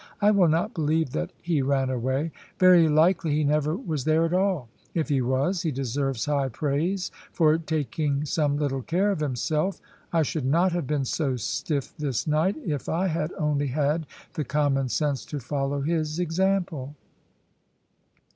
I will not believe that he ran away; very likely he never was there at all. If he was, he deserves high praise for taking some little care of himself. I should not have been so stiff this night, if I had only had the common sense to follow his example."